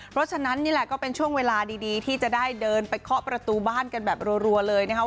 เพราะฉะนั้นนี่แหละก็เป็นช่วงเวลาดีที่จะได้เดินไปเคาะประตูบ้านกันแบบรัวเลยนะคะ